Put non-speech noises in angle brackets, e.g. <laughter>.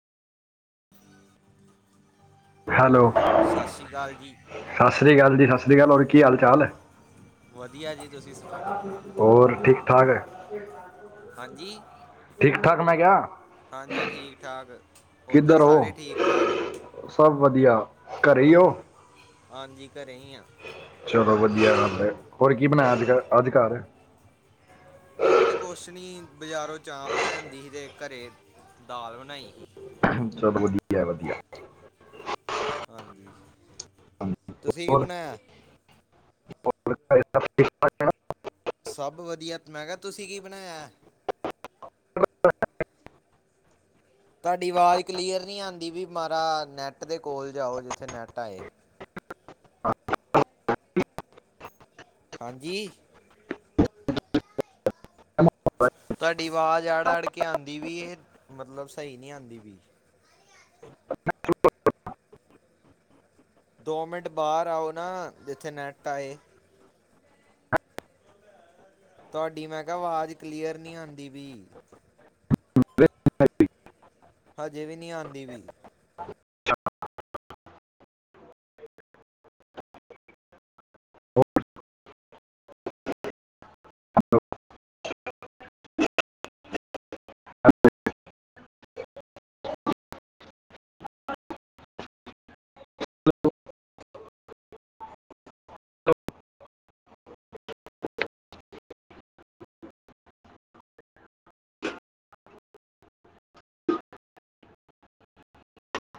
Hello ਸਤਿ ਸ਼੍ਰੀ ਅਕਾਲ ਜੀ ਸਤਿ ਸ੍ਰੀ ਅਕਾਲ ਜੀ ਸਤਿ ਸ਼੍ਰੀ ਅਕਾਲ ਹੋਰ ਕੀ ਹਾਲ ਚਾਲ ਵਧੀਆ ਜੀ ਤੁਸੀਂ ਸੁਣਾਓ ਹੋਰ ਠੀਕ ਠਾਕ ਹੈ <inaudible> ਹਾਂਜੀ ਠੀਕ ਠਾਕ ਮੈਂ ਕਿਆ ਹਾਂਜੀ ਠੀਕ ਠਾਕ, ਉੱਧਰ ਕਿੱਧਰ ਹੋ ਸਾਰੇ ਠੀਕ ਠਾਕ ਸਭ ਵਧੀਆ ਘਰੇ ਹੀ ਹੋ ਹਾਂਜੀ ਘਰੇ ਹੀ ਆਂ ਚਲੋ ਵਧੀਆ ਗੱਲ, ਹੋਰ ਕੀ ਬਣਾਇਆ ਅੱਜ ਅੱਜ ਘਰ ਅੱਜ ਕੁਛ ਨਹੀਂ ਬਜ਼ਾਰੋਂ ਚਾਂਪ ਲੈਂਦੀ ਸੀ, ਅਤੇ ਘਰ ਦਾਲ ਬਣਾਈ ਸੀ ਵਧੀਆ-ਵਧੀਆ ਹਾਂਜੀ ਤੁਸੀਂ ਕੀ ਬਣਾਇਆ ਸਭ ਠੀਕ-ਠਾਕ ਐ ਨਾ, ਸਭ ਵਧੀਆ ਮੈਂ ਕਿਹਾ ਤੁਸੀਂ ਕੀ ਬਣਾਇਆ ਹੈ। <unintelligible> ਤੁਹਾਡੀ ਆਵਾਜ਼ ਕਲੀਅਰ ਨਹੀਂ ਆਦੀ ਵੀ ਮਾੜਾ ਨੈੱਟ ਦੇ ਕੋਲ ਜਾਓ ਜਿੱਥੇ ਨੈੱਟ ਆਏ। <unintelligible> ਹਾਂਜੀ। ਤੁਹਾਡੀ ਆਵਾਜ਼ ਆੜ ਅੜ ਕੇ ਆਦੀ ਪਈ ਐ ਮਤਲਬ ਸਹੀ ਨਹੀਂ ਆਦੀ, ਦੋ ਮਿੰਟ ਬਾਹਰ ਆਓ ਨਾ ਜਿੱਥੇ ਨੈਟ ਆਏ। ਤੁਹਾਡੀ ਮੈਂ ਕਿਹਾ ਆਵਾਜ਼ ਕਲੀਅਰ ਨਹੀਂ ਆਦੀ ਪਈ। ਅ <unintelligible> ਹਜੇ ਵੀ ਨਹੀਂ ਆਦੀ ਵੀ। <unintelligible> ਹੈਲੋ,